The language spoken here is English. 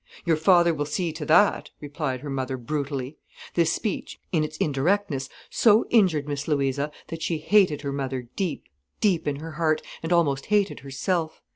"Your father will see to that," replied her mother brutally. This speech, in its indirectness, so injured Miss Louisa that she hated her mother deep, deep in her heart, and almost hated herself.